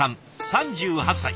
３８歳。